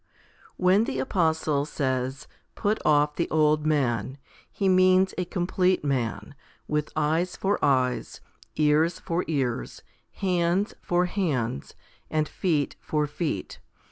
2. For when the apostle says, Put off the old man? he means a complete man, with eyes for eyes, ears for ears, hands for hands, and feet for feet.